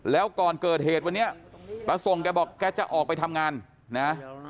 แล้วก่อนเกิดเหตุวันนี้ตาส่งแกบอกแกจะออกไปทำงานนะ